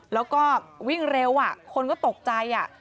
แล้วก็วิ่งเร็วอ่ะคนก็ตกใจอ่ะ